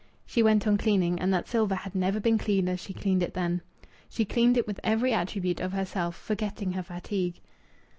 She went on cleaning, and that silver had never been cleaned as she cleaned it then. She cleaned it with every attribute of herself, forgetting her fatigue.